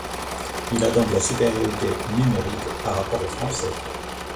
Il a donc la supériorité numérique par rapport aux Français.